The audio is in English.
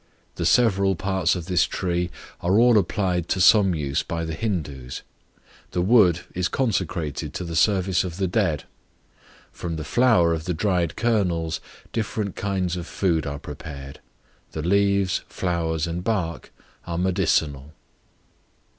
The several parts of this tree are all applied to some use by the Hindoos: the wood is consecrated to the service of the dead; from the flour of the dried kernels different kinds of food are prepared; the leaves, flowers, and bark, are medicinal.